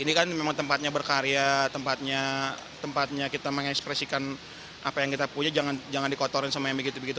ini kan memang tempatnya berkarya tempatnya kita mengekspresikan apa yang kita punya jangan dikotorin sama yang begitu begitu